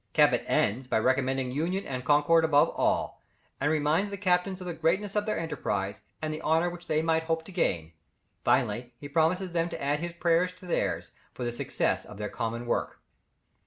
Cabot ends by recommending union and concord above all, and reminds the captains of the greatness of their enterprise, and the honour which they might hope to gain; finally he promises them to add his prayers to theirs for the success of their common work.